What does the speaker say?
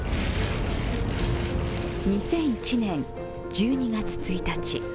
２００１年１２月１日。